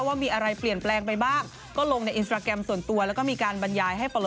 ว่ามีอะไรเปลี่ยนแปลงไปบ้างก็ลงในอินสตราแกรมส่วนตัวแล้วก็มีการบรรยายให้ปล